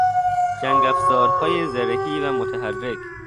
جنگافزارهای زرهی و متحرک